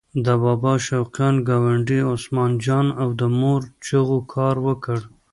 د بابا شوقیانو ګاونډي عثمان جان او د مور چغو کار وکړ.